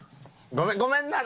ごめんな。